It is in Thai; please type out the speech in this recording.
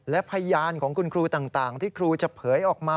และพยานของคุณครูต่างที่ครูจะเผยออกมา